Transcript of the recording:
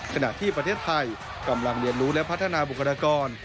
ขณะที่ประเทศไทยกำลังเรียนรู้และพัฒนาบุคลากร